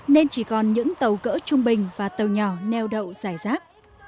nên chỉ còn những tàu cỡ trung bình và tàu nhỏ neo đậu dài rác